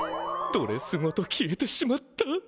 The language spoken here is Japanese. ドレスごと消えてしまった。